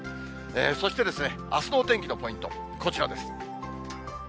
そして、あすのお天気のポイント、こちらです。